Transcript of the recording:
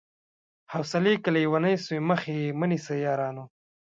حوصلې که ليونۍ سوې مخ يې مه نيسئ يارانو